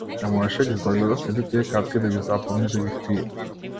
Не можеше да ги здогледа сите тие капки, да ги запомни, да ги впие.